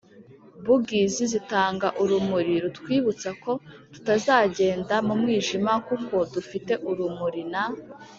-bougies zitanga urumuri rutwibutsa ko tutazagenda mu mwijima kuko dufite urumuri n